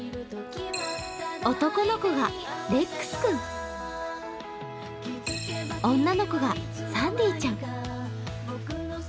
男の子のレックス君、女の子がサンディちゃん。